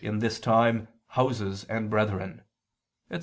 . in this time, houses and brethren," etc.